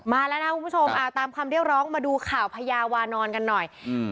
มาแล้วนะคุณผู้ชมอ่าตามคำเรียกร้องมาดูข่าวพญาวานอนกันหน่อยอืม